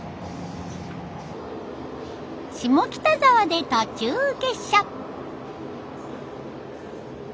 下北沢で途中下車。